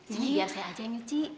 sini biar saya aja yang nyuci